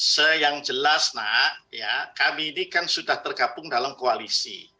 se yang jelas nak ya kami ini kan sudah tergabung dalam koalisi